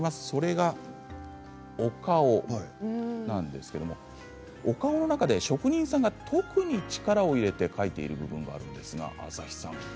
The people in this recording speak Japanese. それがお顔なんですけれどお顔の中で職人さんが特に力を入れて描いている部分があるんですが、朝日さん